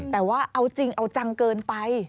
แต่ว่าเอาจริงเอาจังเกินไป